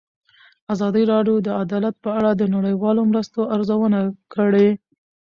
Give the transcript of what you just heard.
ازادي راډیو د عدالت په اړه د نړیوالو مرستو ارزونه کړې.